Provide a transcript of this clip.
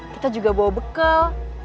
kita juga bawa bekel